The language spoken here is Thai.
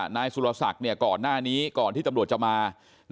นายสุรศักดิ์ก่อนหน้านี้ก่อนที่ตำรวจจะมา